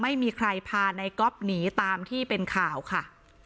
ไม่มีใครพาในก๊อฟหนีตามที่เป็นข่าวค่ะ